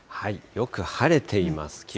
よく晴れています。